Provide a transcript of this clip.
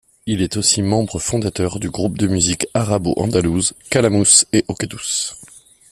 Il est aussi membre fondateur du groupe de musique arabo-andalouse Cálamus et Hoquetus.